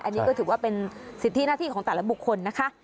อันนี้ก็ถือว่าเป็นสิทธิหน้าที่ของแต่ละบุคคลนะคะ